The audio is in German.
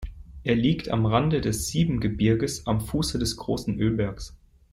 Er liegt am Rande des Siebengebirges, am Fuße des Großen Ölbergs.